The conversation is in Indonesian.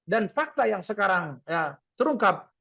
dan fakta yang sekarang terungkap